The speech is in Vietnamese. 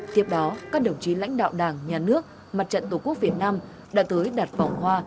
tiếp đó các đồng chí lãnh đạo đảng nhà nước mặt trận tổ quốc việt nam đã tới đặt vòng hoa